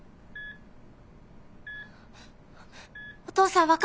お父さん！